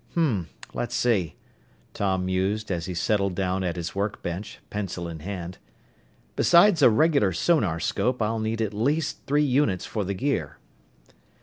"Hmm, let's see," Tom mused as he settled down at his workbench, pencil in hand. "Besides a regular sonarscope, I'll need at least three units for the gear."